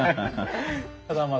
ただまあ